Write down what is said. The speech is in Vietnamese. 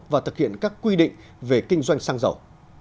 và thực hiện các quy định về kinh doanh xăng dầu